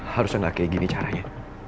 harusnya nggak kayak gini caranya